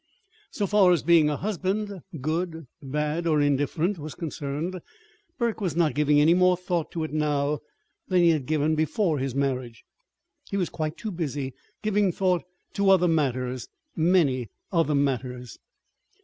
So far as being a husband good, bad, or indifferent was concerned, Burke was not giving any more thought to it now than he had given before his marriage. He was quite too busy giving thought to other matters many other matters.